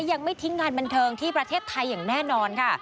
ยังไม่ทิ้งงานบันเทิงที่ประเทศไทยอย่างแน่นอนค่ะ